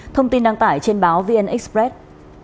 thông tin đăng tải trên báo vn express